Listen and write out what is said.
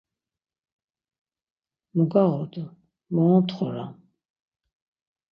Mu gağodu, mo ontxoram?